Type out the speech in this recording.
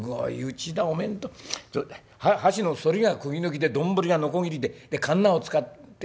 箸の反りがくぎ抜きで丼がのこぎりででカンナを使って。